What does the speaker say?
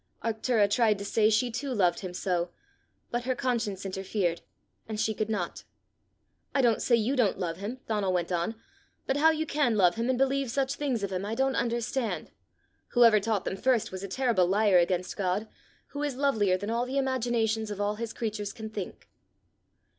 Arctura tried to say she too loved him so, but her conscience interfered, and she could not. "I don't say you don't love him," Donal went on; "but how you can love him and believe such things of him, I don't understand. Whoever taught them first was a terrible liar against God, who is lovelier than all the imaginations of all his creatures can think."